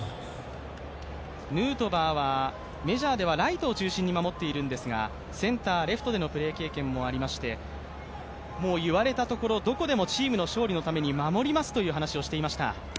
ヌートバーはメジャーではライトを中心に守っているんですがセンター、レフトでのプレー経験もありまして言われたところ、どこでもチームの勝利のために守りますという話をしていました。